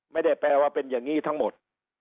ไม่ได้แปลว่าเป็นอย่างนี้ทั้งหมด